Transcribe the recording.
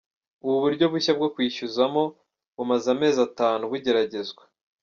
Ubu buryo bushya bwo kwishyuzamo bumaze amezi atanu bugeragezwa.